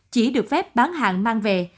chỉ được phép bán hàng mang về